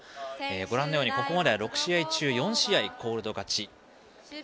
ご覧のようにここまでは６試合中４試合でコールド勝ち。